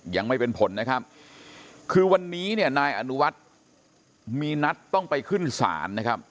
ยังไม่เป็นผลนะครับคือวันนี้เนี่ยนายอนุวัฒน์มีนัดต้องไปขึ้นศาลนะครับ